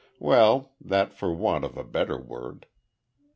Well, that for want of a better word.